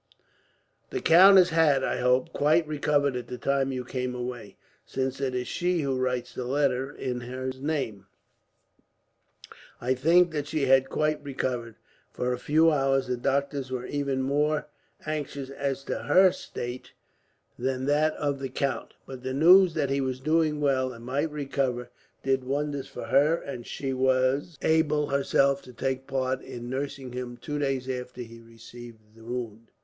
"The countess had, I hope, quite recovered at the time you came away, since it is she who writes the letter in his name." "I think that she had quite recovered. For a few hours, the doctors were even more anxious as to her state than that of the count; but the news that he was doing well, and might recover, did wonders for her; and she was able herself to take part in nursing him, two days after he received the wound."